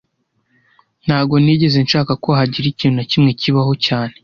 Ntago nigeze nshaka ko hagira ikintu na kimwe kibaho cyane